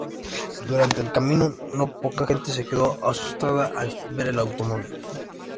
Durante el camino, no poca gente se quedó asustada al ver el automóvil.